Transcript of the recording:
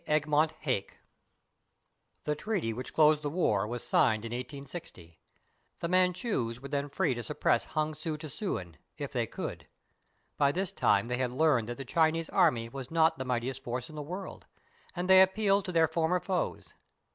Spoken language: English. EGMONT HAKE [The treaty which closed the war was signed in i860. The Manchus were then free to suppress Hung Sew tseuen — if they could. By this time they had learned that the Chinese army was not the mightiest force in the world, and they appealed to their former foes.